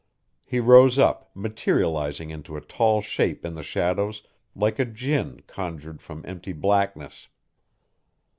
He rose up, materializing into a tall shape in the shadows like a jinn conjured from empty blackness.